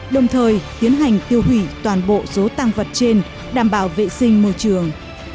đồng thời tiến hành tiêu hủy toàn bộ số tăng vật trên đảm bảo vệ sinh môi trường